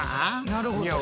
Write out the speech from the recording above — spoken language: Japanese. なるほど。